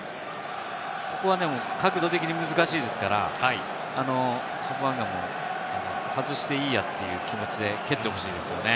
ここは角度的に難しいですから、ソポアンガも外していいやという気持ちで蹴ってほしいですよね。